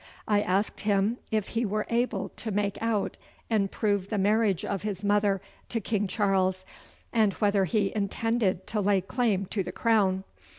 I asked him if he were able to make out and prove the marriage of his mother to King Charles, and whether he intended to lay claim to the crown.